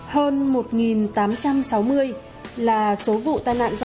hơn một tám trăm sáu mươi là số vụ tai nạn giao thông